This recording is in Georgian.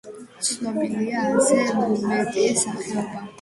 ცნობილია ასზე მეტი სახეობა.